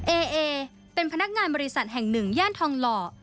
เอเอเป็นพนักงานบริษัทแห่งหนึ่งย่านทองหล่อ